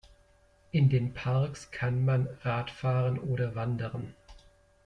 In den Parks kann man Rad fahren oder wandern.